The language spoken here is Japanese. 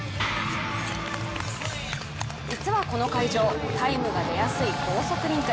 実はこの会場タイムが出やすい高速リンク。